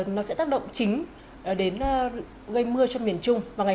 nó sẽ tác động chính đến gây mưa trong miền trung